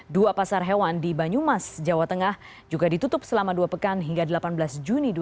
dua pasar hewan di banyumas jawa tengah juga ditutup selama dua pekan hingga delapan belas juni dua ribu dua puluh